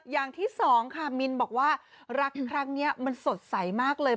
อย่างที่สองค่ะมินบอกว่ารักครั้งนี้มันสดใสมากเลย